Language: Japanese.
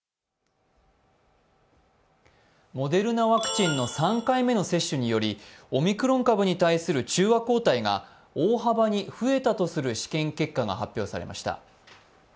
モデルナワクチンの３回目の接種によりオミクロン株に対する中和抗体が大幅に増えたとする試験結果が発表さました。